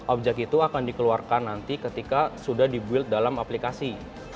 objek itu akan dikeluarkan nanti ketika sudah dibuild dalam aplikasi